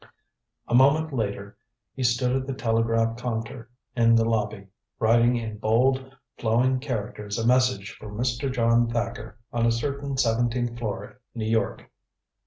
A moment later he stood at the telegraph counter in the lobby, writing in bold flowing characters a message for Mr. John Thacker, on a certain seventeenth floor, New York.